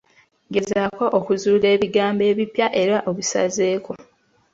Gezaako okuzuula ebigambo ebipya era obisazeeko.